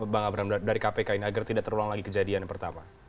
bang abraham dari kpk ini agar tidak terulang lagi kejadian yang pertama